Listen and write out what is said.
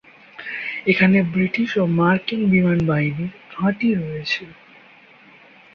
এখানে ব্রিটিশ ও মার্কিন বিমানবাহিনীর ঘাঁটি রয়েছে।